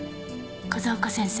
風丘先生